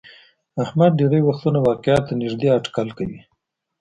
احمد ډېری وختونه واقعیت ته نیږدې هټکل کوي.